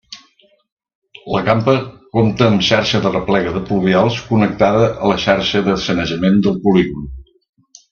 La campa compta amb xarxa d'arreplega de pluvials connectada a la xarxa de sanejament del polígon.